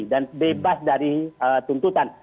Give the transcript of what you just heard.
dan bebas dari tuntutan